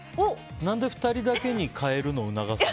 何で２人だけに変えるのを促すの？